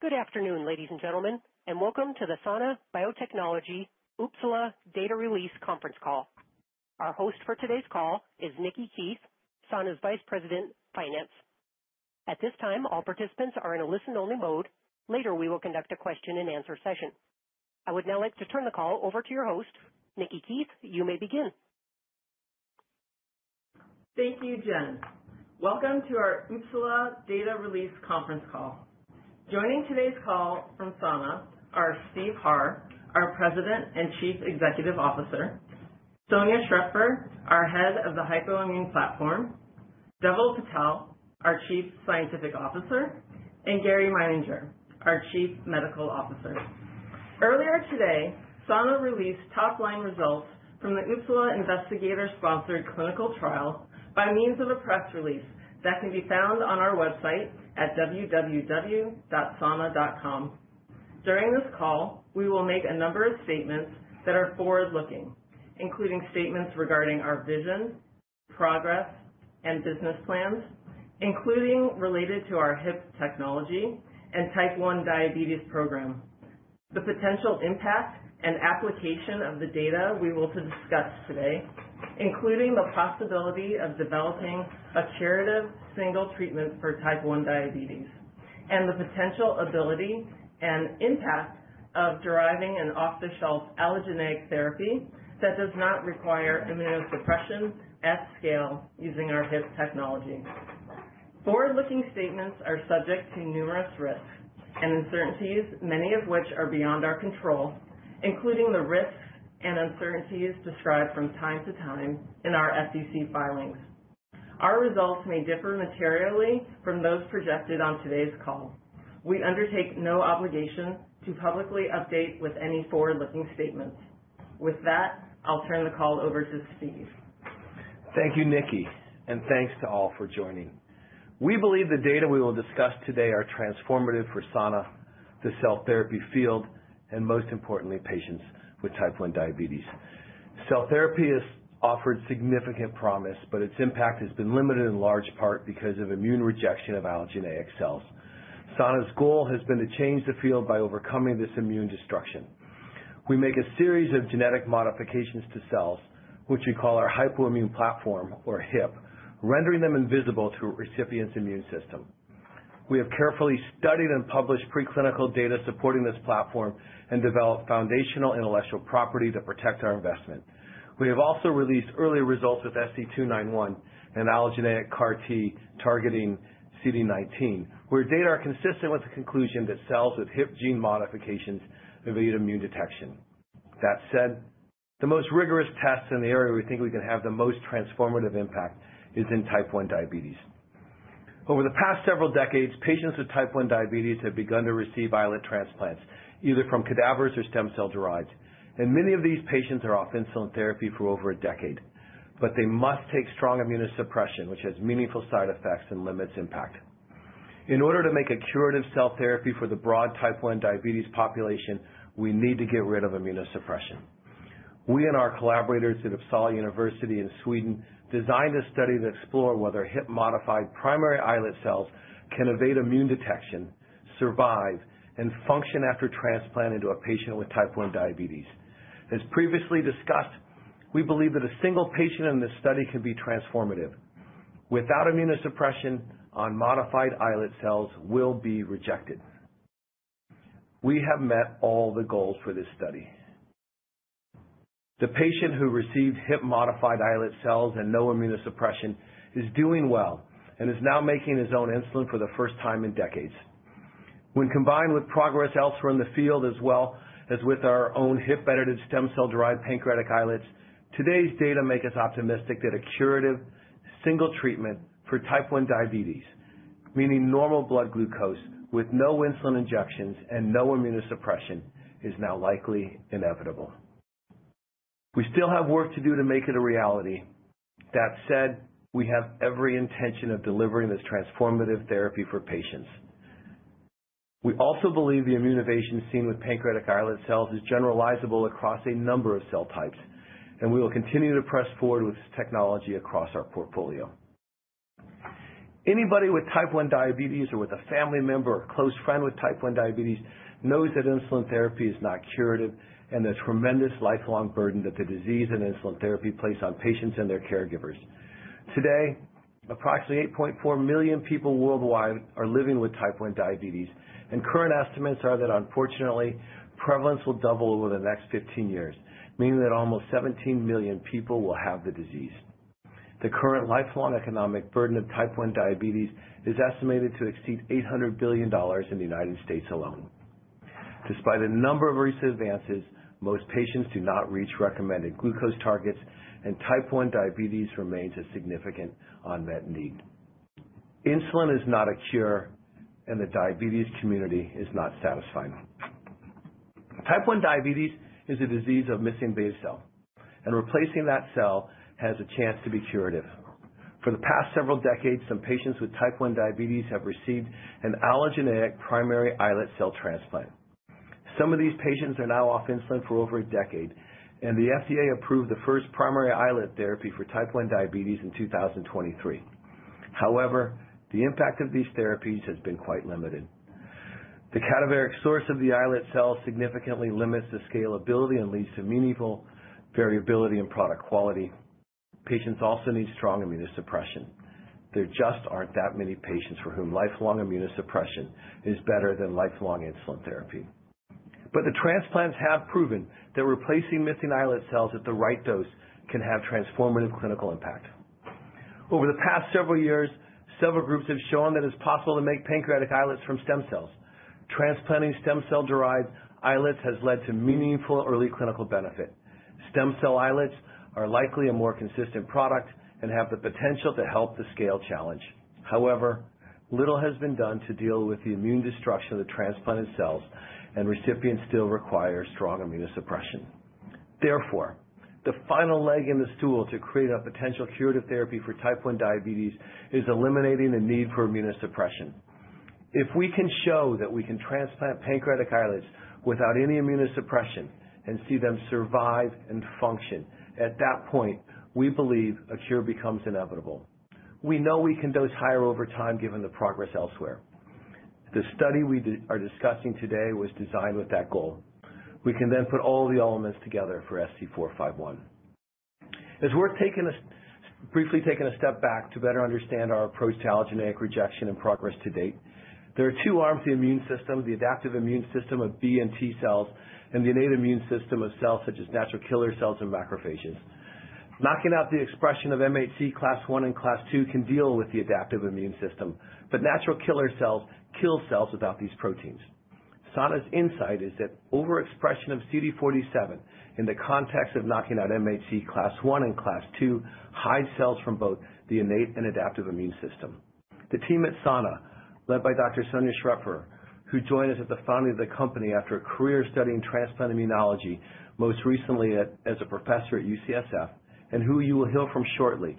Good afternoon, ladies and gentlemen, and welcome to the Sana Biotechnology Uppsala Data Release Conference Call. Our host for today's call is Nikki Keith, Sana's Vice President, Finance. At this time, all participants are in a listen-only mode. Later, we will conduct a question-and-answer session. I would now like to turn the call over to your host, Nikki Keith. You may begin. Thank you, Jen. Welcome to our Uppsala Data Release Conference Call. Joining today's call from Sana are Steve Harr, our President and Chief Executive Officer, Sonja Schrepfer, our Head of the Hypoimmune Platform, Dhaval Patel, our Chief Scientific Officer, and Gary Meininger, our Chief Medical Officer. Earlier today, Sana released top-line results from the Uppsala investigator-sponsored clinical trial by means of a press release that can be found on our website at www.sana.com. During this call, we will make a number of statements that are forward-looking, including statements regarding our vision, progress, and business plans, including related to our HIP technology and type 1 diabetes program. The potential impact and application of the data we will discuss today, including the possibility of developing a curative single treatment for type 1 diabetes. And the potential ability and impact of deriving an off-the-shelf allogeneic therapy that does not require immunosuppression at scale using our HIP technology. Forward-looking statements are subject to numerous risks and uncertainties, many of which are beyond our control, including the risks and uncertainties described from time to time in our SEC filings. Our results may differ materially from those projected on today's call. We undertake no obligation to publicly update with any forward-looking statements. With that, I'll turn the call over to Steve. Thank you, Nikki, and thanks to all for joining. We believe the data we will discuss today are transformative for Sana, the cell therapy field, and most importantly, patients with type 1 diabetes. Cell therapy has offered significant promise, but its impact has been limited in large part because of immune rejection of allogeneic cells. Sana's goal has been to change the field by overcoming this immune destruction. We make a series of genetic modifications to cells, which we call our Hypoimmune Platform, or HIP, rendering them invisible to a recipient's immune system. We have carefully studied and published preclinical data supporting this platform and developed foundational intellectual property to protect our investment. We have also released early results with SC291 and allogeneic CAR-T targeting CD19, where data are consistent with the conclusion that cells with HIP gene modifications evade immune detection. That said, the most rigorous test in the area we think we can have the most transformative impact is in type 1 diabetes. Over the past several decades, patients with type 1 diabetes have begun to receive islet transplants, either from cadavers or stem cell-derived, and many of these patients are off insulin therapy for over a decade, but they must take strong immunosuppression, which has meaningful side effects and limits impact. In order to make a curative cell therapy for the broad type 1 diabetes population, we need to get rid of immunosuppression. We and our collaborators at Uppsala University in Sweden designed a study to explore whether HIP-modified primary islet cells can evade immune detection, survive, and function after transplant into a patient with type 1 diabetes. As previously discussed, we believe that a single patient in this study can be transformative. Without immunosuppression, unmodified islet cells will be rejected. We have met all the goals for this study. The patient who received HIP-modified islet cells and no immunosuppression is doing well and is now making his own insulin for the first time in decades. When combined with progress elsewhere in the field, as well as with our own HIP-edited stem cell-derived pancreatic islets, today's data make us optimistic that a curative single treatment for type 1 diabetes, meaning normal blood glucose with no insulin injections and no immunosuppression, is now likely inevitable. We still have work to do to make it a reality. That said, we have every intention of delivering this transformative therapy for patients. We also believe the immune evasion seen with pancreatic islet cells is generalizable across a number of cell types, and we will continue to press forward with this technology across our portfolio. Anybody with type 1 diabetes or with a family member or close friend with type 1 diabetes knows that insulin therapy is not curative and the tremendous lifelong burden that the disease and insulin therapy place on patients and their caregivers. Today, approximately 8.4 million people worldwide are living with type 1 diabetes, and current estimates are that, unfortunately, prevalence will double over the next 15 years, meaning that almost 17 million people will have the disease. The current lifelong economic burden of type 1 diabetes is estimated to exceed $800 billion in the United States alone. Despite a number of recent advances, most patients do not reach recommended glucose targets, and type 1 diabetes remains a significant unmet need. Insulin is not a cure, and the diabetes community is not satisfied. type 1 diabetes is a disease of missing beta cell, and replacing that cell has a chance to be curative. For the past several decades, some patients with type 1 diabetes have received an allogeneic primary islet cell transplant. Some of these patients are now off insulin for over a decade, and the FDA approved the first primary islet therapy for type 1 diabetes in 2023. However, the impact of these therapies has been quite limited. The cadaveric source of the islet cells significantly limits the scalability and leads to meaningful variability in product quality. Patients also need strong immunosuppression. There just aren't that many patients for whom lifelong immunosuppression is better than lifelong insulin therapy. But the transplants have proven that replacing missing islet cells at the right dose can have transformative clinical impact. Over the past several years, several groups have shown that it's possible to make pancreatic islets from stem cells. Transplanting stem cell-derived islets has led to meaningful early clinical benefit. Stem cell islets are likely a more consistent product and have the potential to help the scale challenge. However, little has been done to deal with the immune destruction of the transplanted cells, and recipients still require strong immunosuppression. Therefore, the final leg in the stool to create a potential curative therapy for type 1 diabetes is eliminating the need for immunosuppression. If we can show that we can transplant pancreatic islets without any immunosuppression and see them survive and function, at that point, we believe a cure becomes inevitable. We know we can dose higher over time given the progress elsewhere. The study we are discussing today was designed with that goal. We can then put all the elements together for SC451. As we're briefly taking a step back to better understand our approach to allogeneic rejection and progress to date, there are two arms of the immune system: the adaptive immune system of B and T cells and the innate immune system of cells such as natural killer cells and macrophages. Knocking out the expression of MHC class I and class II can deal with the adaptive immune system, but natural killer cells kill cells without these proteins. Sana's insight is that overexpression of CD47 in the context of knocking out MHC class I and class II hides cells from both the innate and adaptive immune system. The team at Sana, led by Dr. Sonja Schrepfer, who joined us at the founding of the company after a career studying transplant immunology, most recently as a professor at UCSF, and who you will hear from shortly,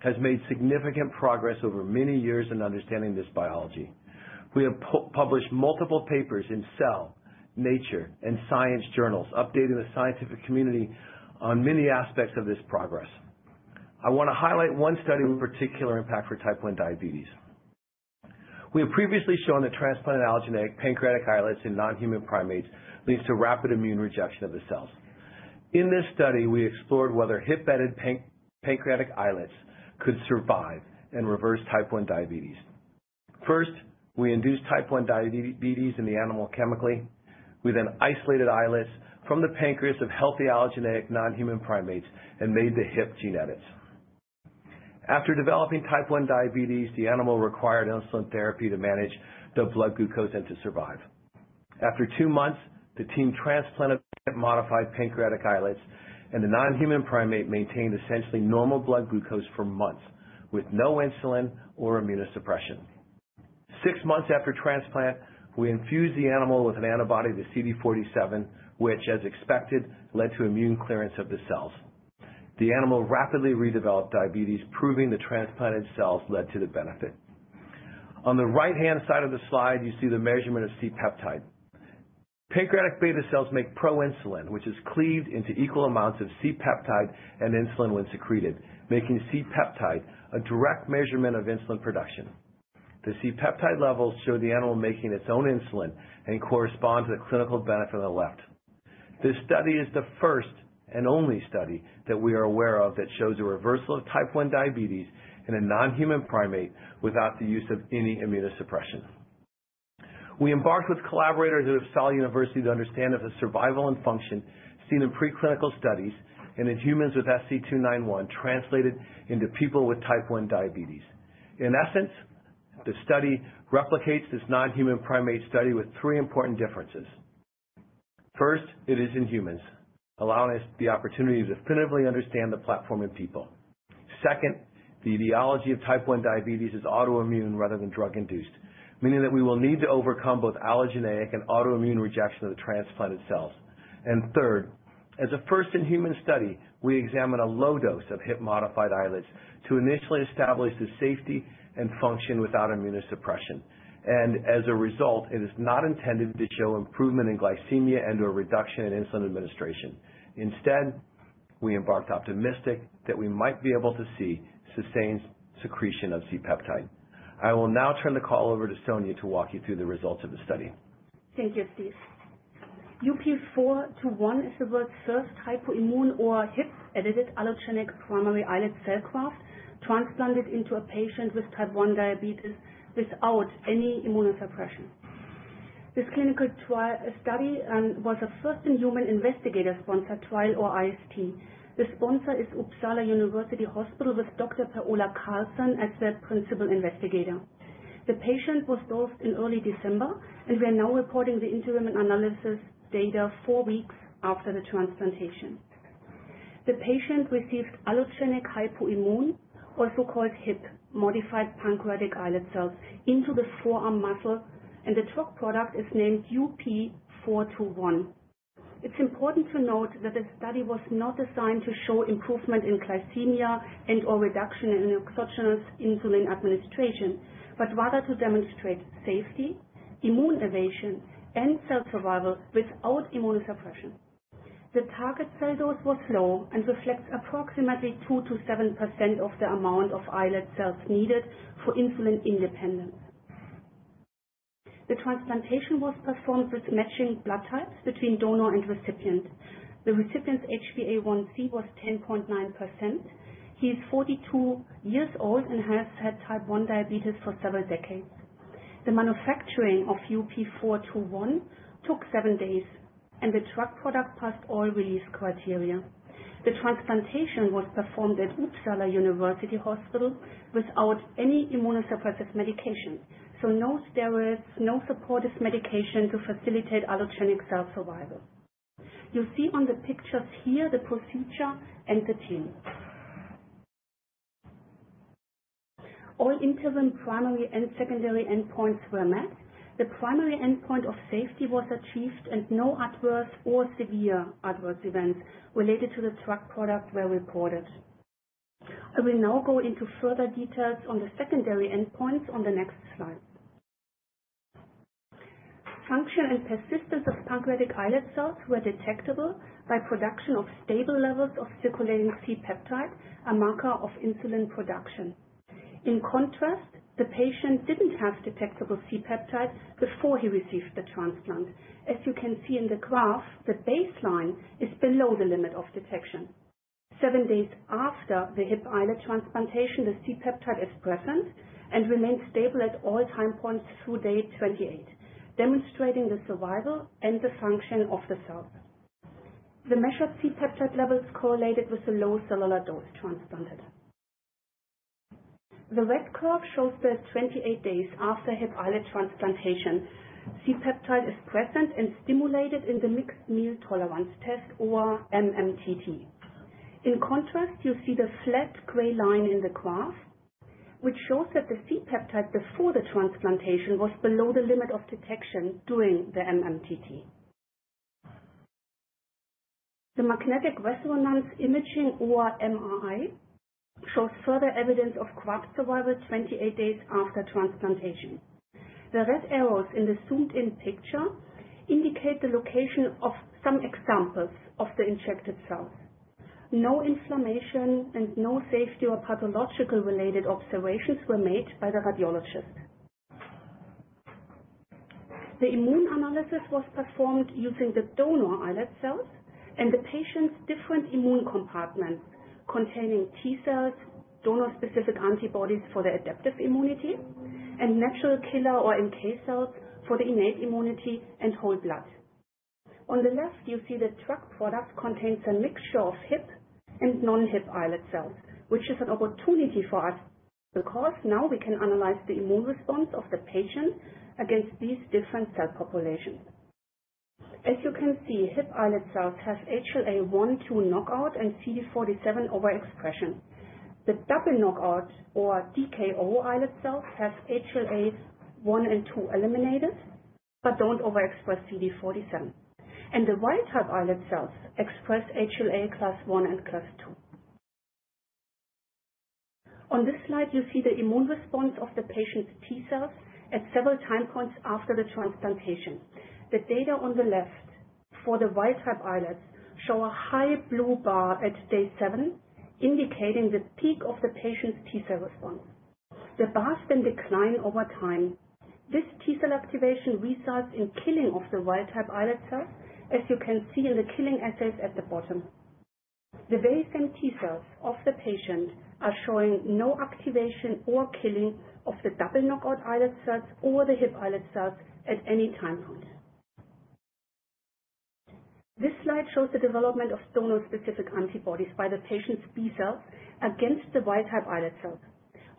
has made significant progress over many years in understanding this biology. We have published multiple papers in Cell, Nature, and Science journals, updating the scientific community on many aspects of this progress. I want to highlight one study with particular impact for type 1 diabetes. We have previously shown that transplanted allogeneic pancreatic islets in non-human primates leads to rapid immune rejection of the cells. In this study, we explored whether HIP-edited pancreatic islets could survive and reverse type 1 diabetes. First, we induced type 1 diabetes in the animal chemically. We then isolated islets from the pancreas of healthy allogeneic non-human primates and made the HIP genetics. After developing type 1 diabetes, the animal required insulin therapy to manage the blood glucose and to survive. After two months, the team transplanted HIP-modified pancreatic islets, and the non-human primate maintained essentially normal blood glucose for months with no insulin or immunosuppression. Six months after transplant, we infused the animal with an antibody to CD47, which, as expected, led to immune clearance of the cells. The animal rapidly redeveloped diabetes, proving the transplanted cells led to the benefit. On the right-hand side of the slide, you see the measurement of C-peptide. Pancreatic beta cells make proinsulin, which is cleaved into equal amounts of C-peptide and insulin when secreted, making C-peptide a direct measurement of insulin production. The C-peptide levels show the animal making its own insulin and correspond to the clinical benefit on the left. This study is the first and only study that we are aware of that shows a reversal of type 1 diabetes in a non-human primate without the use of any immunosuppression. We embarked with collaborators at Uppsala University to understand if the survival and function seen in preclinical studies and in humans with SC291 translated into people with type 1 diabetes. In essence, the study replicates this non-human primate study with three important differences. First, it is in humans, allowing us the opportunity to definitively understand the platform in people. Second, the etiology of type 1 diabetes is autoimmune rather than drug-induced, meaning that we will need to overcome both allogeneic and autoimmune rejection of the transplanted cells. And third, as a first-in-human study, we examine a low dose of HIP-modified islets to initially establish the safety and function without immunosuppression. As a result, it is not intended to show improvement in glycemia and/or reduction in insulin administration. Instead, we remain optimistic that we might be able to see sustained secretion of C-peptide. I will now turn the call over to Sonja to walk you through the results of the study. Thank you, Steve. UP421 is the world's first Hypoimmune or HIP-edited allogeneic primary islet cell graft transplanted into a patient with type 1 diabetes without any immunosuppression. This clinical study was a first-in-human investigator-sponsored trial, or IST. The sponsor is Uppsala University Hospital with Dr. Per-Ola Carlsson as their principal investigator. The patient was dosed in early December, and we are now reporting the interim analysis data four weeks after the transplantation. The patient received allogeneic Hypoimmune, or so-called HIP-modified pancreatic islet cells, into the forearm muscle, and the drug product is named UP421. It's important to note that the study was not designed to show improvement in glycemia and/or reduction in exogenous insulin administration, but rather to demonstrate safety, immune evasion, and cell survival without immunosuppression. The target cell dose was low and reflects approximately 2%-7% of the amount of islet cells needed for insulin independence. The transplantation was performed with matching blood types between donor and recipient. The recipient's HbA1c was 10.9%. He is 42 years old and has had type 1 diabetes for several decades. The manufacturing of UP421 took seven days, and the drug product passed all release criteria. The transplantation was performed at Uppsala University Hospital without any immunosuppressive medication, so no steroids, no supportive medication to facilitate allogeneic cell survival. You see on the pictures here the procedure and the team. All interim primary and secondary endpoints were met. The primary endpoint of safety was achieved, and no adverse or severe adverse events related to the drug product were reported. I will now go into further details on the secondary endpoints on the next slide. Function and persistence of pancreatic islet cells were detectable by production of stable levels of circulating C-peptide, a marker of insulin production. In contrast, the patient didn't have detectable C-peptide before he received the transplant. As you can see in the graph, the baseline is below the limit of detection. Seven days after the HIP islet transplantation, the C-peptide is present and remained stable at all time points through day 28, demonstrating the survival and the function of the cell. The measured C-peptide levels correlated with the low cellular dose transplanted. The red curve shows that 28 days after HIP islet transplantation, C-peptide is present and stimulated in the mixed meal tolerance test, or MMTT. In contrast, you see the flat gray line in the graph, which shows that the C-peptide before the transplantation was below the limit of detection during the MMTT. The magnetic resonance imaging, or MRI, shows further evidence of graft survival 28 days after transplantation. The red arrows in the zoomed-in picture indicate the location of some examples of the injected cells. No inflammation and no safety or pathological-related observations were made by the radiologist. The immune analysis was performed using the donor islet cells and the patient's different immune compartments containing T-cells, donor-specific antibodies for the adaptive immunity, and natural killer or NK cells for the innate immunity and whole blood. On the left, you see the drug product contains a mixture of HIP and non-HIP islet cells, which is an opportunity for us because now we can analyze the immune response of the patient against these different cell populations. As you can see, HIP islet cells have HLA1/2 knockout and CD47 overexpression. The double knockout, or DKO islet cells, have HLA1 and 2 eliminated but don't overexpress CD47, and the wild-type islet cells express HLA class I and class II. On this slide, you see the immune response of the patient's T-cells at several time points after the transplantation. The data on the left for the wild-type islets show a high blue bar at day seven, indicating the peak of the patient's T-cell response. The bars then decline over time. This T-cell activation results in killing of the wild-type islet cells, as you can see in the killing assays at the bottom. The very same T-cells of the patient are showing no activation or killing of the double knockout islet cells or the HIP islet cells at any time point. This slide shows the development of donor-specific antibodies by the patient's B cells against the wild-type islet cells.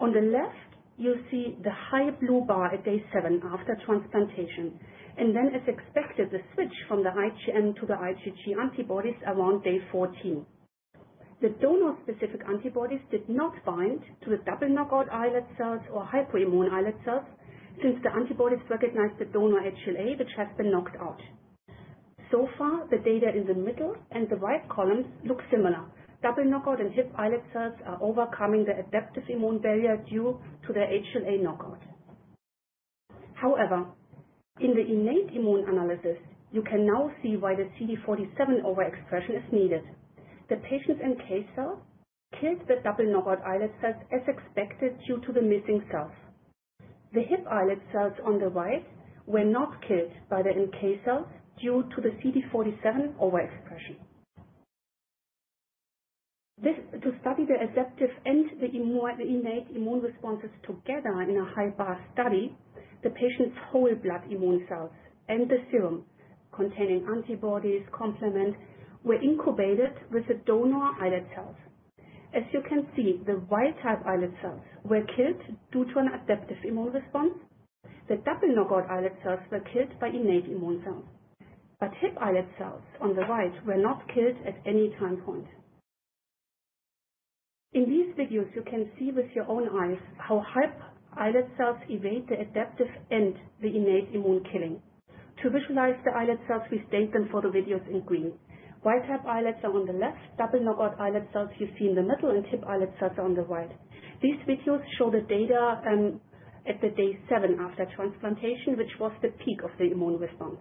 On the left, you see the high blue bar at day seven after transplantation, and then it's expected the switch from the IgM to the IgG antibodies around day 14. The donor-specific antibodies did not bind to the double knockout islet cells or Hypoimmune islet cells since the antibodies recognized the donor HLA, which has been knocked out. So far, the data in the middle and the right columns look similar. Double knockout and HIP islet cells are overcoming the adaptive immune barrier due to the HLA knockout. However, in the innate immune analysis, you can now see why the CD47 overexpression is needed. The patient's NK cells killed the double knockout islet cells as expected due to the missing cells. The HIP islet cells on the right were not killed by the NK cells due to the CD47 overexpression. To study the adaptive and the innate immune responses together in a high-bar study, the patient's whole blood immune cells and the serum containing antibodies complement were incubated with the donor islet cells. As you can see, the wild-type islet cells were killed due to an adaptive immune response. The double knockout islet cells were killed by innate immune cells. But HIP islet cells on the right were not killed at any time point. In these videos, you can see with your own eyes how HIP islet cells evade the adaptive and the innate immune killing. To visualize the islet cells, we stained them for the videos in green. Wild-type islets are on the left. Double knockout islet cells you see in the middle and HIP islet cells are on the right. These videos show the data at day seven after transplantation, which was the peak of the immune response.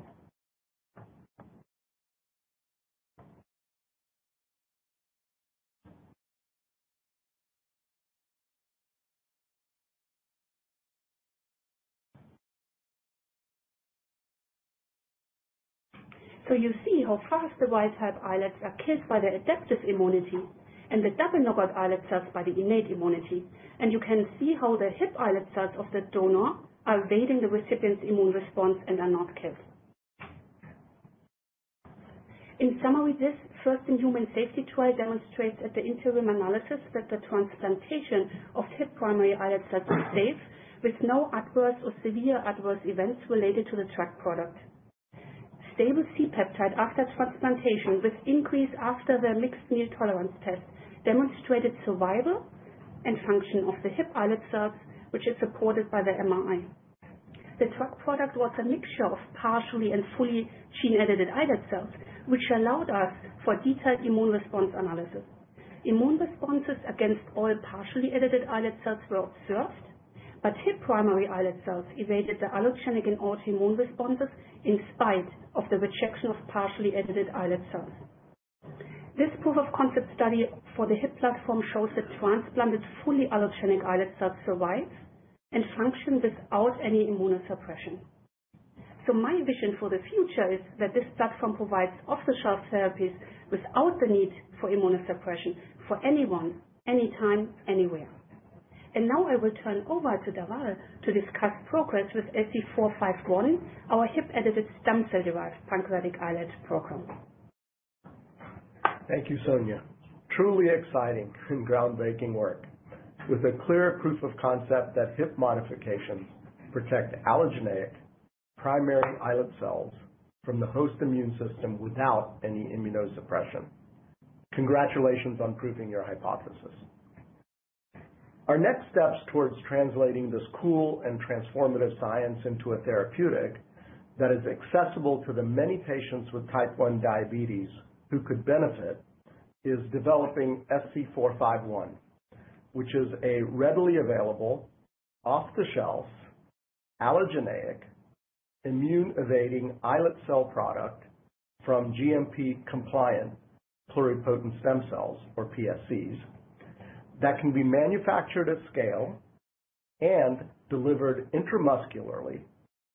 So you see how fast the wild-type islets are killed by the adaptive immunity and the double knockout islet cells by the innate immunity. You can see how the HIP islet cells of the donor are evading the recipient's immune response and are not killed. In summary, this first-in-human safety trial demonstrates that the interim analysis that the transplantation of HIP primary islet cells is safe with no adverse or severe adverse events related to the drug product. Stable C-peptide after transplantation with increase after the mixed meal tolerance test demonstrated survival and function of the HIP islet cells, which is supported by the MRI. The drug product was a mixture of partially and fully gene-edited islet cells, which allowed us for detailed immune response analysis. Immune responses against all partially edited islet cells were observed, but HIP primary islet cells evaded the allogeneic and autoimmune responses in spite of the rejection of partially edited islet cells. This proof of concept study for the HIP platform shows that transplanted fully allogeneic islet cells survive and function without any immunosuppression. So my vision for the future is that this platform provides off-the-shelf therapies without the need for immunosuppression for anyone, anytime, anywhere. And now I will turn over to Dhaval to discuss progress with SC451, our HIP-edited stem cell-derived pancreatic islet program. Thank you, Sonja. Truly exciting and groundbreaking work with a clear proof of concept that HIP modifications protect allogeneic primary islet cells from the host immune system without any immunosuppression. Congratulations on proving your hypothesis. Our next steps towards translating this cool and transformative science into a therapeutic that is accessible to the many patients with type 1 diabetes who could benefit is developing SC451, which is a readily available, off-the-shelf, allogeneic, immune-evading islet cell product from GMP-compliant pluripotent stem cells, or PSCs, that can be manufactured at scale and delivered intramuscularly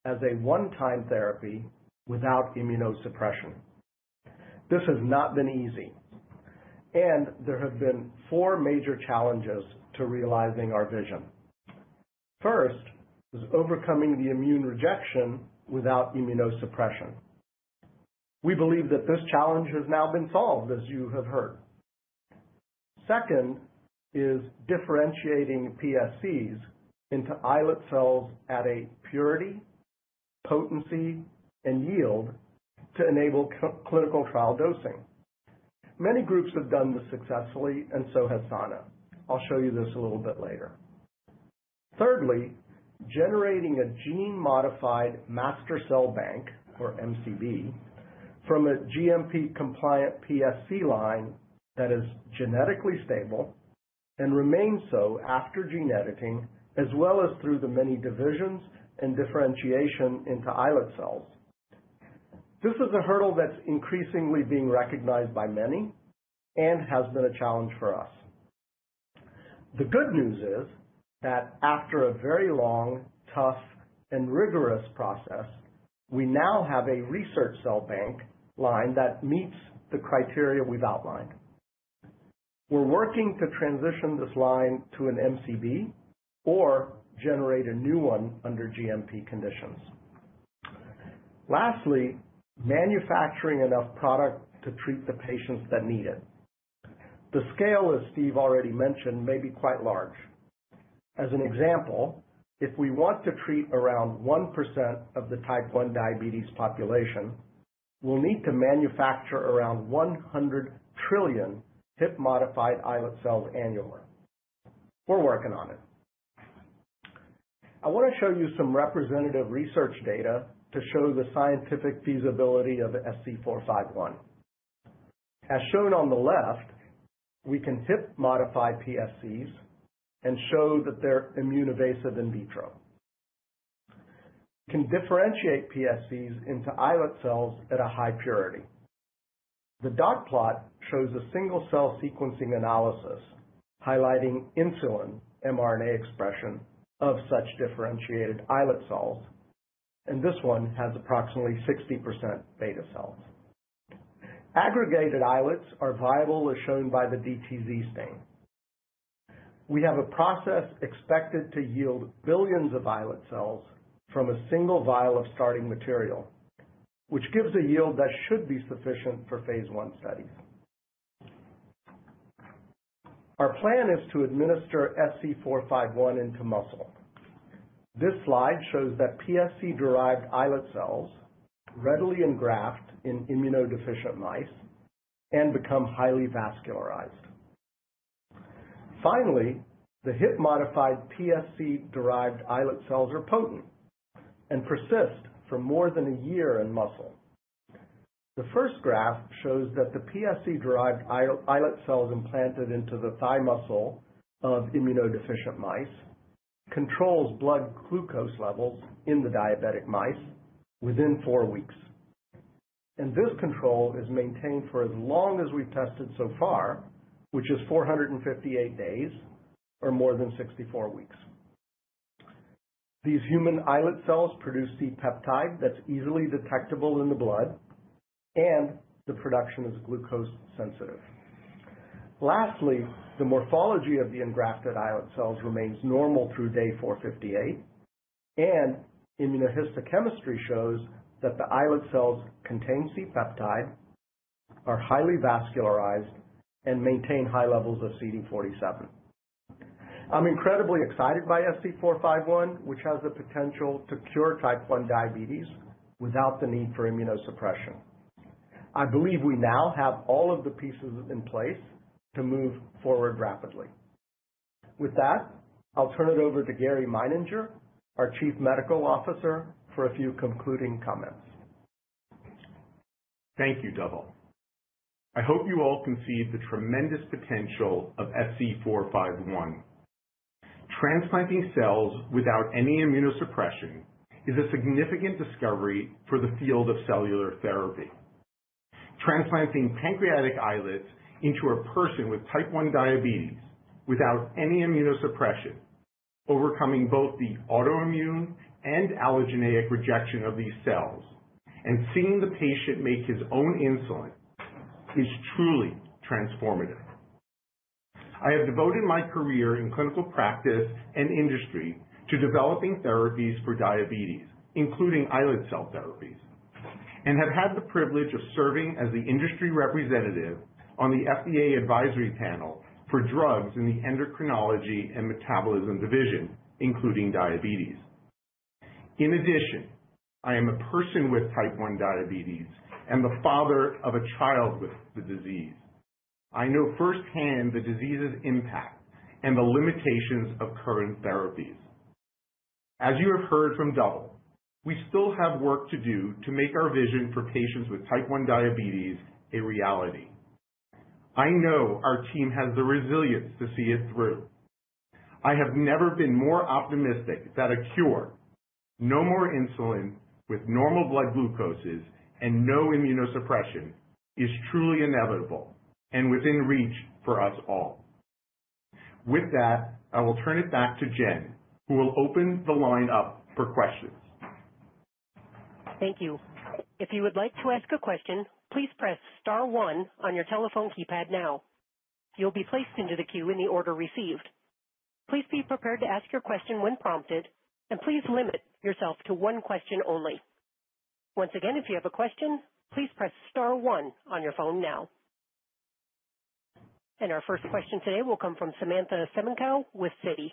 as a one-time therapy without immunosuppression. This has not been easy, and there have been four major challenges to realizing our vision. First is overcoming the immune rejection without immunosuppression. We believe that this challenge has now been solved, as you have heard. Second is differentiating PSCs into islet cells at a purity, potency, and yield to enable clinical trial dosing. Many groups have done this successfully, and so has Sana. I'll show you this a little bit later. Thirdly, generating a gene-modified master cell bank, or MCB, from a GMP-compliant PSC line that is genetically stable and remains so after gene editing, as well as through the many divisions and differentiation into islet cells. This is a hurdle that's increasingly being recognized by many and has been a challenge for us. The good news is that after a very long, tough, and rigorous process, we now have a research cell bank line that meets the criteria we've outlined. We're working to transition this line to an MCB or generate a new one under GMP conditions. Lastly, manufacturing enough product to treat the patients that need it. The scale, as Steve already mentioned, may be quite large. As an example, if we want to treat around 1% of the type 1 diabetes population, we'll need to manufacture around 100 trillion HIP-modified islet cells annually. We're working on it. I want to show you some representative research data to show the scientific feasibility of SC451. As shown on the left, we can HIP-modified PSCs and show that they're immune-evasive in vitro. We can differentiate PSCs into islet cells at a high purity. The dot plot shows a single-cell sequencing analysis highlighting insulin mRNA expression of such differentiated islet cells, and this one has approximately 60% beta cells. Aggregated islets are viable, as shown by the DTZ stain. We have a process expected to yield billions of islet cells from a single vial of starting material, which gives a yield that should be sufficient for phase one studies. Our plan is to administer SC451 into muscle. This slide shows that PSC-derived islet cells readily engraft in immunodeficient mice and become highly vascularized. Finally, the HIP-modified PSC-derived islet cells are potent and persist for more than a year in muscle. The first graph shows that the PSC-derived islet cells implanted into the thigh muscle of immunodeficient mice controls blood glucose levels in the diabetic mice within four weeks, and this control is maintained for as long as we've tested so far, which is 458 days or more than 64 weeks. These human islet cells produce C-peptide that's easily detectable in the blood, and the production is glucose-sensitive. Lastly, the morphology of the engrafted islet cells remains normal through day 458, and immunohistochemistry shows that the islet cells contain C-peptide, are highly vascularized, and maintain high levels of CD47. I'm incredibly excited by SC451, which has the potential to cure type 1 diabetes without the need for immunosuppression. I believe we now have all of the pieces in place to move forward rapidly. With that, I'll turn it over to Gary Meininger, our Chief Medical Officer, for a few concluding comments. Thank you, Dhaval. I hope you all concede the tremendous potential of SC451. Transplanting cells without any immunosuppression is a significant discovery for the field of cellular therapy. Transplanting pancreatic islets into a person with type 1 diabetes without any immunosuppression, overcoming both the autoimmune and allogeneic rejection of these cells, and seeing the patient make his own insulin is truly transformative. I have devoted my career in clinical practice and industry to developing therapies for diabetes, including islet cell therapies, and have had the privilege of serving as the industry representative on the FDA advisory panel for drugs in the Endocrinology and Metabolism Division, including diabetes. In addition, I am a person with type 1 diabetes and the father of a child with the disease. I know firsthand the disease's impact and the limitations of current therapies. As you have heard from Dhaval, we still have work to do to make our vision for patients with type 1 diabetes a reality. I know our team has the resilience to see it through. I have never been more optimistic that a cure, no more insulin with normal blood glucoses and no immunosuppression, is truly inevitable and within reach for us all. With that, I will turn it back to Jen, who will open the line up for questions. Thank you. If you would like to ask a question, please press star one on your telephone keypad now. You'll be placed into the queue in the order received. Please be prepared to ask your question when prompted, and please limit yourself to one question only. Once again, if you have a question, please press star one on your phone now. And our first question today will come from Samantha Semenkow with Citi.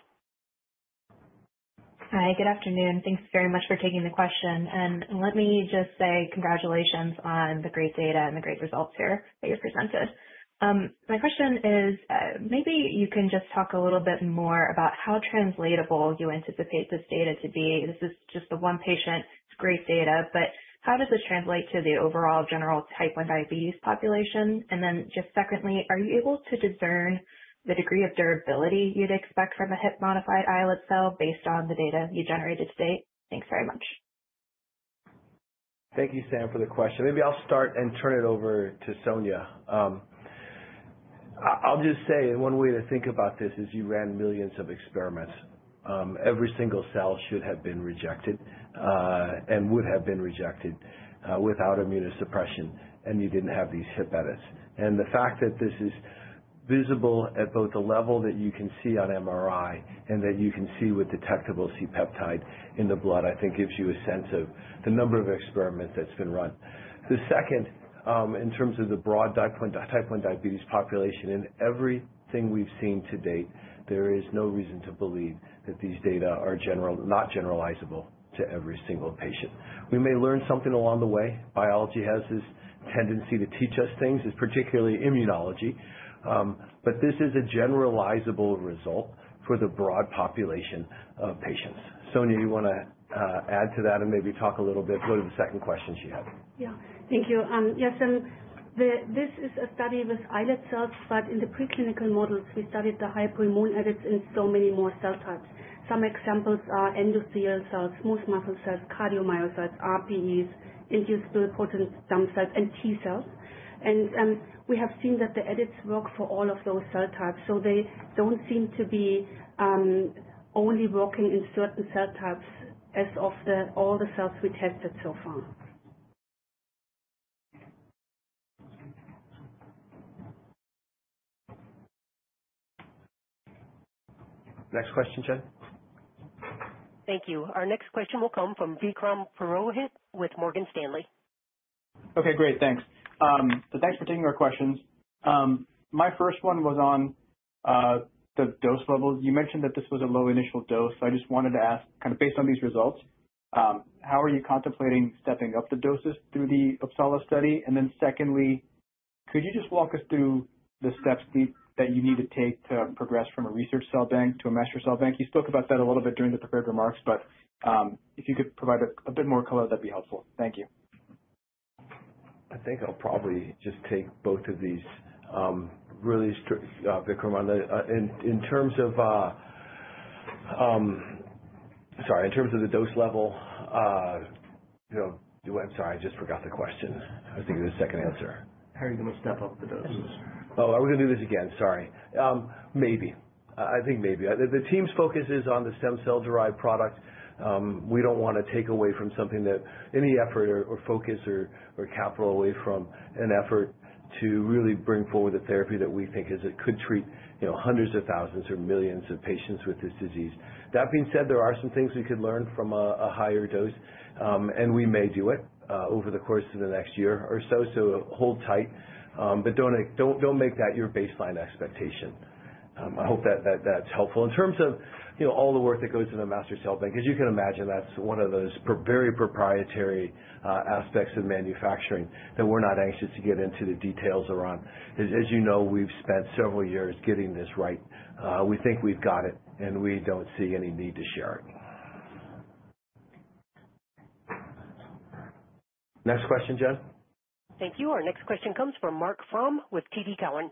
Hi, good afternoon. Thanks very much for taking the question, and let me just say congratulations on the great data and the great results here that you've presented. My question is, maybe you can just talk a little bit more about how translatable you anticipate this data to be. This is just the one patient, it's great data, but how does this translate to the overall general type 1 diabetes population, and then just secondly, are you able to discern the degree of durability you'd expect from a HIP-modified islet cell based on the data you generated today? Thanks very much. Thank you, Sam, for the question. Maybe I'll start and turn it over to Sonja. I'll just say, and one way to think about this is you ran millions of experiments. Every single cell should have been rejected and would have been rejected without immunosuppression, and you didn't have these HIP edits, and the fact that this is visible at both the level that you can see on MRI and that you can see with detectable C-peptide in the blood. I think gives you a sense of the number of experiments that's been run. The second, in terms of the broad type 1 diabetes population, in everything we've seen to date, there is no reason to believe that these data are not generalizable to every single patient. We may learn something along the way. Biology has this tendency to teach us things, particularly immunology, but this is a generalizable result for the broad population of patients. Sonja, you want to add to that and maybe talk a little bit? What are the second questions you had? Yeah, thank you. Yes, this is a study with islet cells, but in the preclinical models, we studied the Hypoimmune edits in so many more cell types. Some examples are endothelial cells, smooth muscle cells, cardiomyocytes, RPEs, induced pluripotent stem cells, and T-cells, and we have seen that the edits work for all of those cell types, so they don't seem to be only working in certain cell types as of all the cells we tested so far. Next question, Jen. Thank you. Our next question will come from Vikram Purohit with Morgan Stanley. Okay, great. Thanks. So thanks for taking our questions. My first one was on the dose levels. You mentioned that this was a low initial dose, so I just wanted to ask, kind of based on these results, how are you contemplating stepping up the doses through the Uppsala study? And then secondly, could you just walk us through the steps that you need to take to progress from a research cell bank to a master cell bank? You spoke about that a little bit during the prepared remarks, but if you could provide a bit more color, that'd be helpful. Thank you. I think I'll probably just take both of these. Really, Vikram, in terms of, sorry, in terms of the dose level, I'm sorry, I just forgot the question. I was thinking of the second answer. How are you going to step up the doses? Oh, are we going to do this again? Sorry. Maybe. I think maybe. The team's focus is on the stem cell-derived product. We don't want to take away any effort or focus or capital from an effort to really bring forward the therapy that we think could treat hundreds of thousands or millions of patients with this disease. That being said, there are some things we could learn from a higher dose, and we may do it over the course of the next year or so, so hold tight, but don't make that your baseline expectation. I hope that that's helpful. In terms of all the work that goes into a master cell bank, as you can imagine, that's one of those very proprietary aspects of manufacturing that we're not anxious to get into the details around. As you know, we've spent several years getting this right. We think we've got it, and we don't see any need to share it. Next question, Jen. Thank you. Our next question comes from Marc Frahm with TD Cowen.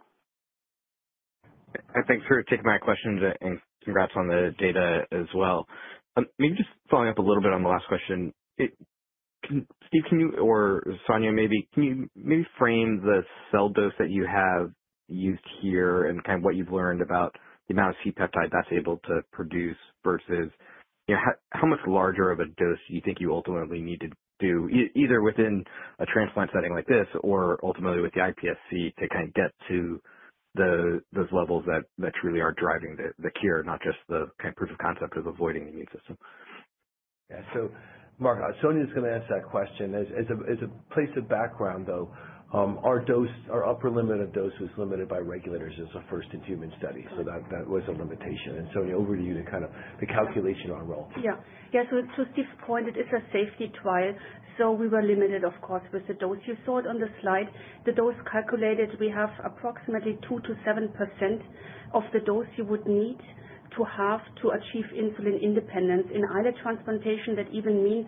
I think for taking my question, and congrats on the data as well. Maybe just following up a little bit on the last question. Steve, or Sonja maybe, can you maybe frame the cell dose that you have used here and kind of what you've learned about the amount of C-peptide that's able to produce versus how much larger of a dose do you think you ultimately need to do, either within a transplant setting like this or ultimately with the iPSC to kind of get to those levels that truly are driving the cure, not just the kind of proof of concept of avoiding the immune system? Yeah. So Mark, Sonja's going to answer that question. As a piece of background, though, our upper limit of dose was limited by regulators as a first-time human study, so that was a limitation. And Sonja, over to you to kind of the calculation on relative time. Yeah. Yeah. So to Steve's point, it is a safety trial, so we were limited, of course, with the dose. You saw it on the slide. The dose calculated, we have approximately 2%-7% of the dose you would need to have to achieve insulin independence. In islet transplantation, that even means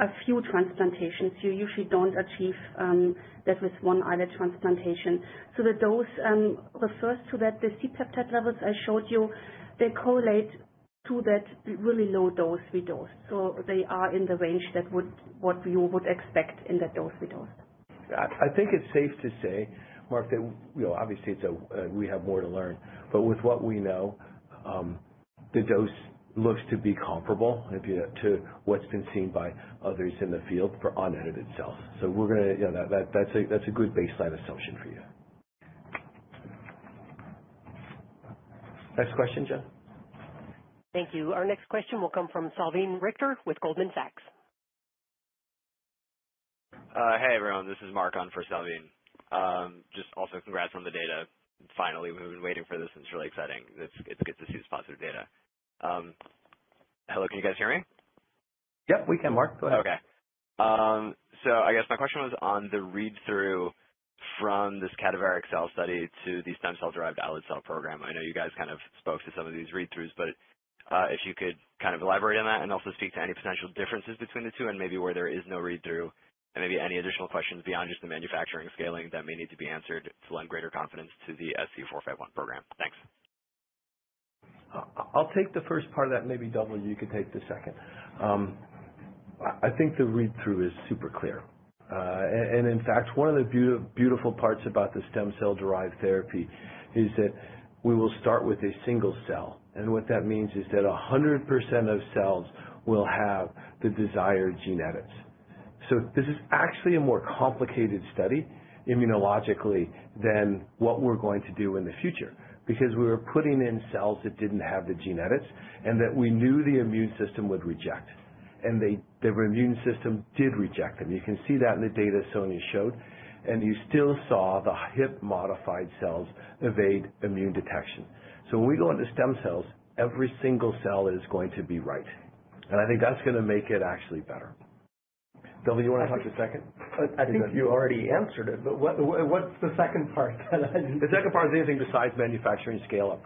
a few transplantations. You usually don't achieve that with one islet transplantation. So the dose refers to that. The C-peptide levels I showed you, they correlate to that really low dose we dosed. So they are in the range that what you would expect in that dose we dosed. I think it's safe to say, Mark, that obviously we have more to learn, but with what we know, the dose looks to be comparable to what's been seen by others in the field for unedited cells. So we're going to—that's a good baseline assumption for you. Next question, Jen. Thank you. Our next question will come from Salveen Richter with Goldman Sachs. Hey, everyone. This is Mark on for Salveen. Just also congrats on the data. Finally, we've been waiting for this, and it's really exciting. It's good to see this positive data. Hello, can you guys hear me? Yep, we can, Mark. Go ahead. Okay, so I guess my question was on the read-through from this cadaveric cell study to the stem cell-derived islet cell program. I know you guys kind of spoke to some of these read-throughs, but if you could kind of elaborate on that and also speak to any potential differences between the two and maybe where there is no read-through and maybe any additional questions beyond just the manufacturing scaling that may need to be answered to lend greater confidence to the SC451 program. Thanks. I'll take the first part of that. Maybe Dhaval, you could take the second. I think the read-through is super clear, and in fact, one of the beautiful parts about the stem cell-derived therapy is that we will start with a single cell, and what that means is that 100% of cells will have the desired gene edits. So this is actually a more complicated study immunologically than what we're going to do in the future because we were putting in cells that didn't have the gene edits and that we knew the immune system would reject, and the immune system did reject them. You can see that in the data Sonja showed, and you still saw the HIP-modified cells evade immune detection. So when we go into stem cells, every single cell is going to be right, and I think that's going to make it actually better. Dhaval, you want to talk a second? I think you already answered it, but what's the second part that I need? The second part is anything besides manufacturing scale-up,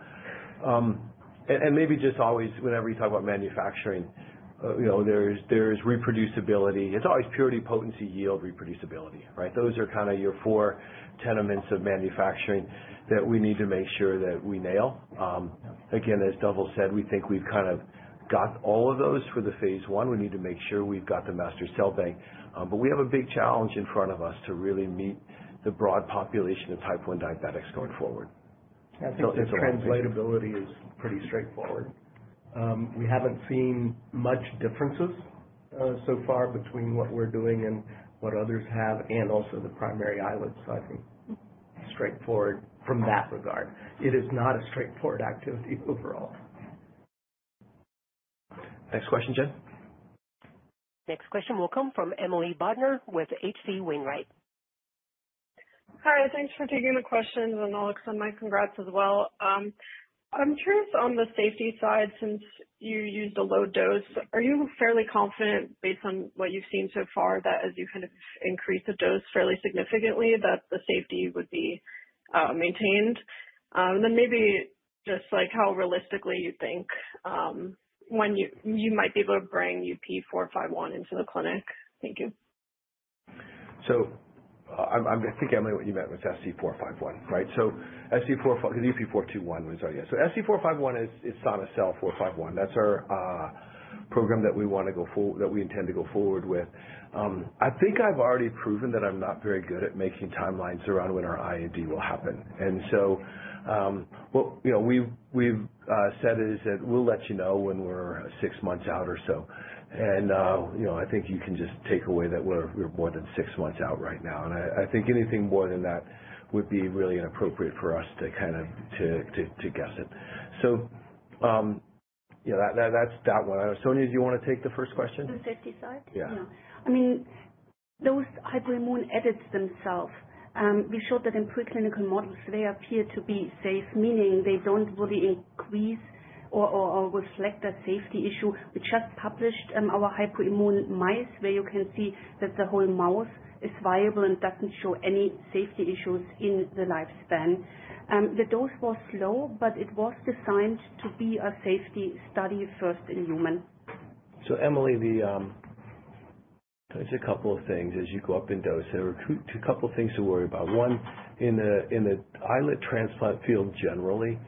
and maybe just always whenever you talk about manufacturing, there's reproducibility. It's always purity, potency, yield, reproducibility, right? Those are kind of your four tenets of manufacturing that we need to make sure that we nail. Again, as Dhaval said, we think we've kind of got all of those for the phase one. We need to make sure we've got the master cell bank, but we have a big challenge in front of us to really meet the broad population of Type 1 diabetics going forward. I think the translatability is pretty straightforward. We haven't seen much differences so far between what we're doing and what others have and also the primary islet setting. Straightforward from that regard. It is not a straightforward activity overall. Next question, Jen. Next question will come from Emily Bodnar with H.C. Wainwright. Hi. Thanks for taking the question, and Alec, and my congrats as well. I'm curious on the safety side, since you used a low dose, are you fairly confident, based on what you've seen so far, that as you kind of increase the dose fairly significantly, that the safety would be maintained? And then maybe just how realistically you think you might be able to bring UP421 into the clinic? Thank you. I think, Emily, what you meant was SC451, right? SC451, because UP421 was our, yeah. SC451 is Sana Cell 451. That's our program that we want to go forward, that we intend to go forward with. I think I've already proven that I'm not very good at making timelines around when our R&D will happen. So what we've said is that we'll let you know when we're six months out or so. I think you can just take away that we're more than six months out right now. I think anything more than that would be really inappropriate for us to kind of guess it. So that's that one. Sonja, do you want to take the first question? The safety side? Yeah. Yeah. I mean, those Hypoimmune edits themselves, we showed that in preclinical models, they appear to be safe, meaning they don't really increase or reflect a safety issue. We just published our Hypoimmune mice where you can see that the whole mouse is viable and doesn't show any safety issues in the lifespan. The dose was low, but it was designed to be a safety study first in human. So Emily, there's a couple of things as you go up in dose. There are a couple of things to worry about. One, in the islet transplant field generally,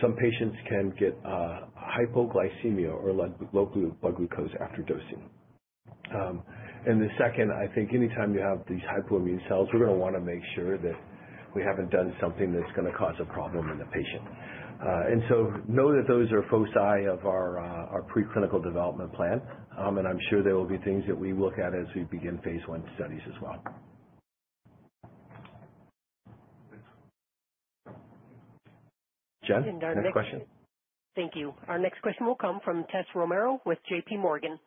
some patients can get hypoglycemia or low blood glucose after dosing. And the second, I think anytime you have these Hypoimmune cells, we're going to want to make sure that we haven't done something that's going to cause a problem in the patient. And so know that those are foci of our preclinical development plan, and I'm sure there will be things that we look at as we begin phase one studies as well. Jen, next question. Thank you. Our next question will come from Tess Romero with J.P. Morgan.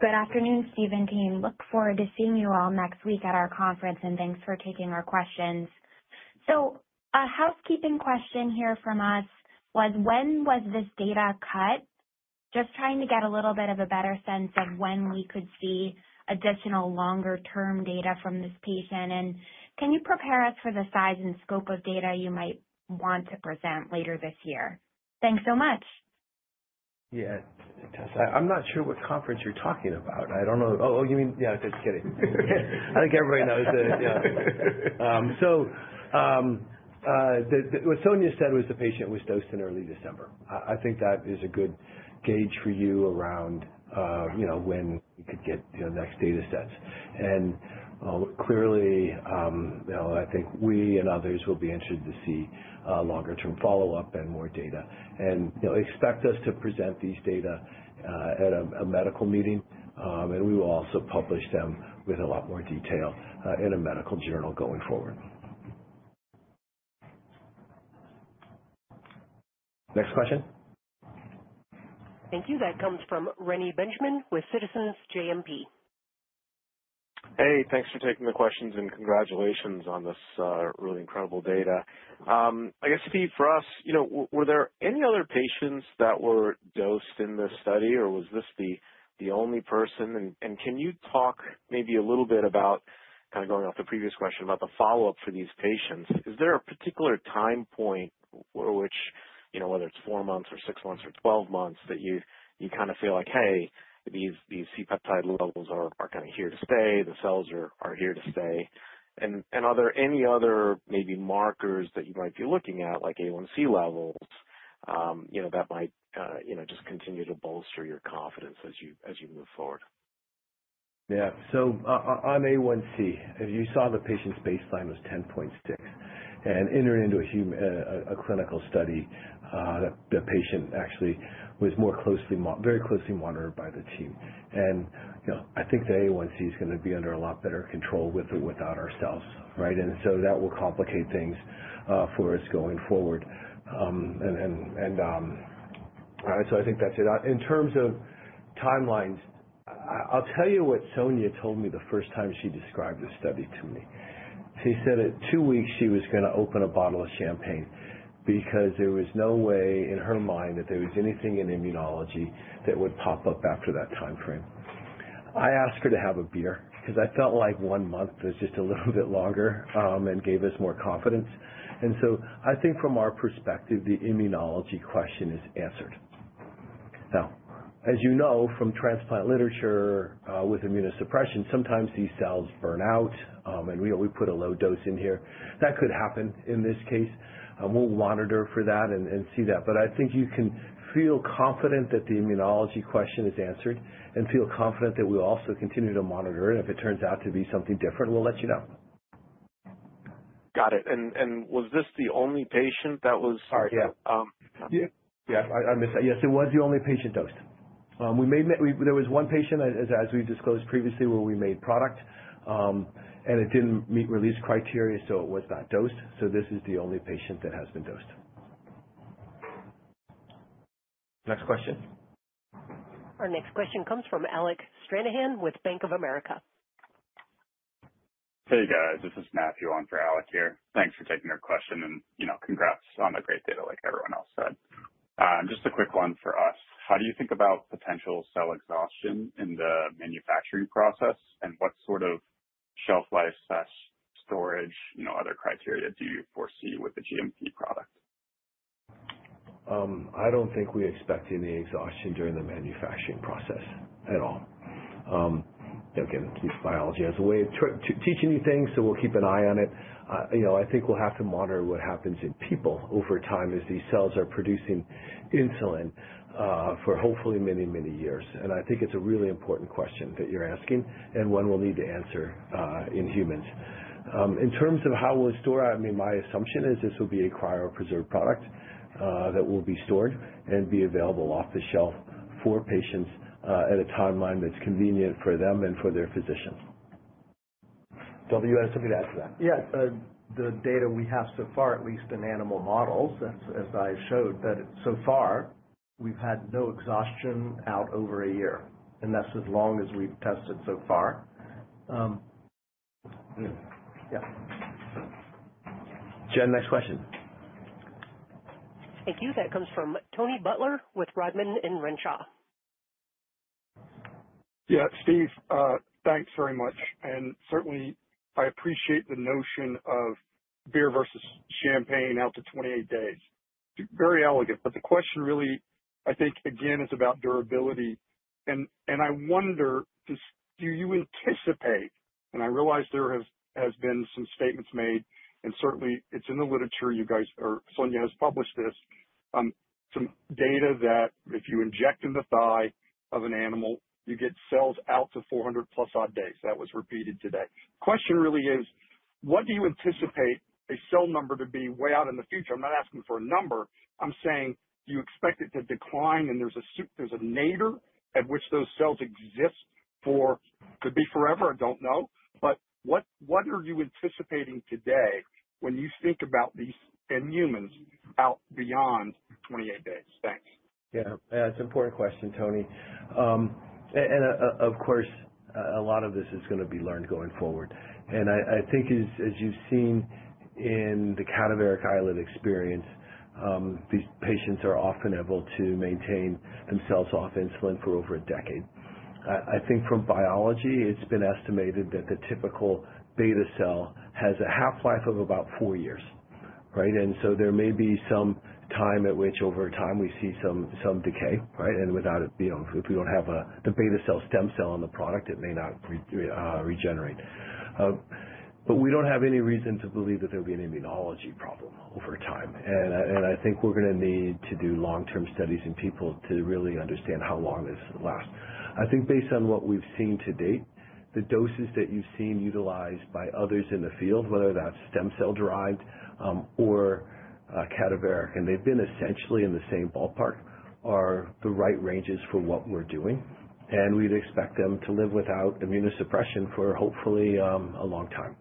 Good afternoon, Steve and team. Look forward to seeing you all next week at our conference, and thanks for taking our questions. So a housekeeping question here from us was, when was this data cut? Just trying to get a little bit of a better sense of when we could see additional longer-term data from this patient. And can you prepare us for the size and scope of data you might want to present later this year? Thanks so much. Yeah. Tess, I'm not sure what conference you're talking about. I don't know. Oh, you mean, yeah, just kidding. I think everybody knows that. Yeah, so what Sonja said was the patient was dosed in early December. I think that is a good gauge for you around when we could get the next data sets, and clearly, I think we and others will be interested to see longer-term follow-up and more data, and expect us to present these data at a medical meeting, and we will also publish them with a lot more detail in a medical journal going forward. Next question. Thank you. That comes from Rennie Benjamin with Citizens JMP. Hey, thanks for taking the questions and congratulations on this really incredible data. I guess, Steve, for us, were there any other patients that were dosed in this study, or was this the only person? And can you talk maybe a little bit about, kind of going off the previous question, about the follow-up for these patients? Is there a particular time point, whether it's four months or six months or 12 months, that you kind of feel like, "Hey, these C-peptide levels are kind of here to stay. The cells are here to stay"? And are there any other maybe markers that you might be looking at, like A1C levels, that might just continue to bolster your confidence as you move forward? Yeah. So on A1C, you saw the patient's baseline was 10.6, and entering into a clinical study, the patient actually was very closely monitored by the team, and I think the A1C is going to be under a lot better control with or without our cells, right, and so that will complicate things for us going forward, and so I think that's it. In terms of timelines. I'll tell you what Sonja told me the first time she described the study to me. She said at two weeks she was going to open a bottle of champagne because there was no way in her mind that there was anything in immunology that would pop up after that timeframe. I asked her to have a beer because I felt like one month was just a little bit longer and gave us more confidence. And so I think from our perspective, the immunology question is answered. Now, as you know from transplant literature with immunosuppression, sometimes these cells burn out, and we put a low dose in here. That could happen in this case. We'll monitor for that and see that. But I think you can feel confident that the immunology question is answered and feel confident that we'll also continue to monitor it. And if it turns out to be something different, we'll let you know. Got it. And was this the only patient that was? Sorry. Yeah. Yeah, I missed that. Yes, it was the only patient dosed. There was one patient, as we disclosed previously, where we made product, and it didn't meet release criteria, so it was not dosed. So this is the only patient that has been dosed. Next question. Our next question comes from Alec Stranahan with Bank of America. Hey, guys. This is Matthew on for Alec here. Thanks for taking our question, and congrats on the great data like everyone else said. Just a quick one for us. How do you think about potential cell exhaustion in the manufacturing process, and what sort of shelf life/storage, other criteria do you foresee with the GMP product? I don't think we expect any exhaustion during the manufacturing process at all. Again, biology has a way of teaching you things, so we'll keep an eye on it. I think we'll have to monitor what happens in people over time as these cells are producing insulin for hopefully many, many years. And I think it's a really important question that you're asking and one we'll need to answer in humans. In terms of how we'll store it, I mean, my assumption is this will be a cryopreserved product that will be stored and be available off the shelf for patients at a timeline that's convenient for them and for their physicians. Dhaval, you had something to add to that? Yes. The data we have so far, at least in animal models, as I showed, that so far we've had no exhaustion out over a year. And that's as long as we've tested so far. Yeah. Jen, next question. Thank you. That comes from Tony Butler with Rodman & Renshaw. Yeah. Steve, thanks very much. And certainly, I appreciate the notion of beer versus champagne out to 28 days. Very elegant. But the question really, I think, again, is about durability. And I wonder, do you anticipate, and I realize there have been some statements made, and certainly, it's in the literature you guys or Sonja has published this, some data that if you inject in the thigh of an animal, you get cells out to 400 plus odd days. That was repeated today. The question really is, what do you anticipate a cell number to be way out in the future? I'm not asking for a number. I'm saying, do you expect it to decline and there's a nadir at which those cells exist for, could be forever, I don't know, but what are you anticipating today when you think about these in humans out beyond 28 days? Thanks. Yeah. That's an important question, Tony. And of course, a lot of this is going to be learned going forward. And I think as you've seen in the cadaveric islet experience, these patients are often able to maintain themselves off insulin for over a decade. I think from biology, it's been estimated that the typical beta cell has a half-life of about four years, right? And so there may be some time at which, over time, we see some decay, right? And without it, if we don't have the beta cell stem cell in the product, it may not regenerate. But we don't have any reason to believe that there'll be an immunology problem over time. And I think we're going to need to do long-term studies in people to really understand how long this lasts. I think based on what we've seen to date, the doses that you've seen utilized by others in the field, whether that's stem cell-derived or cadaveric, and they've been essentially in the same ballpark, are the right ranges for what we're doing, and we'd expect them to live without immunosuppression for hopefully a long time.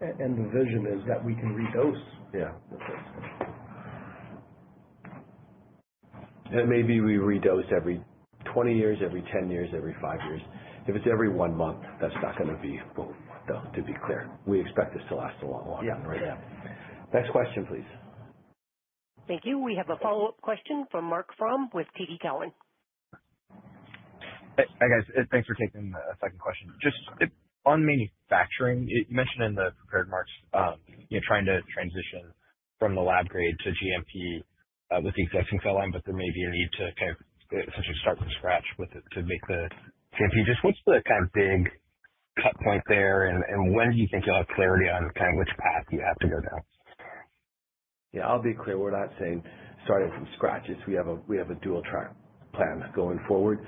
The vision is that we can redose. Yeah, and maybe we redose every 20 years, every 10 years, every five years. If it's every one month, that's not going to be, well, to be clear, we expect this to last a lot longer than right now. Next question, please. Thank you. We have a follow-up question from Mark Frahm with TD Cowen. Hey, guys. Thanks for taking the second question. Just on manufacturing, you mentioned in the prepared remarks, trying to transition from the lab grade to GMP with the existing cell line, but there may be a need to kind of essentially start from scratch to make the GMP. Just what's the kind of big cut point there, and when do you think you'll have clarity on kind of which path you have to go down? Yeah. I'll be clear. We're not saying starting from scratch. We have a dual-track plan going forward.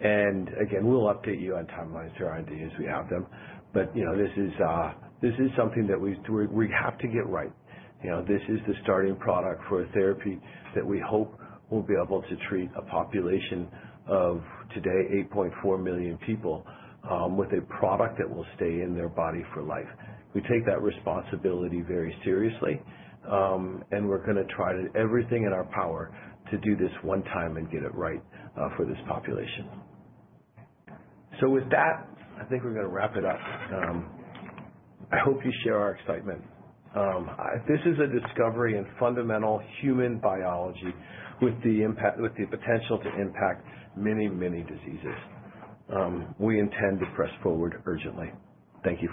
And again, we'll update you on timelines or ideas we have them. But this is something that we have to get right. This is the starting product for a therapy that we hope will be able to treat a population of, today, 8.4 million people with a product that will stay in their body for life. We take that responsibility very seriously, and we're going to try to do everything in our power to do this one time and get it right for this population. So with that, I think we're going to wrap it up. I hope you share our excitement. This is a discovery in fundamental human biology with the potential to impact many, many diseases. We intend to press forward urgently. Thank you.